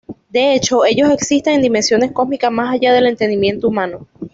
De hecho, ellos existen en dimensiones cósmicas más allá del entendimiento humano.